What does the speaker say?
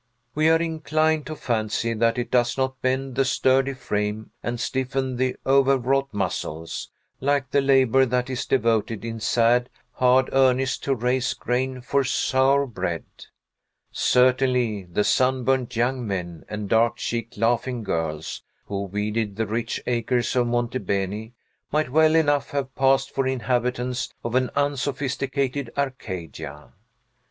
We are inclined to fancy that it does not bend the sturdy frame and stiffen the overwrought muscles, like the labor that is devoted in sad, hard earnest to raise grain for sour bread. Certainly, the sunburnt young men and dark cheeked, laughing girls, who weeded the rich acres of Monte Beni, might well enough have passed for inhabitants of an unsophisticated Arcadia.